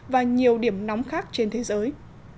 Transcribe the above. và nhiều điểm nóng khác trên thế giới